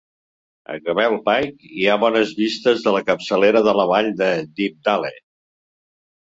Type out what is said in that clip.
A Gavel Pike hi ha bones vistes de la capçalera de la vall de Deepdale.